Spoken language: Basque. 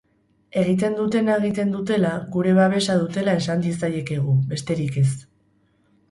Egiten dutena egiten dutela, gure babesa dutela esan diezaiekegu, besterik ez.